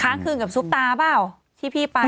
ค้างคืนกับซุปตาเปล่าที่พี่ไป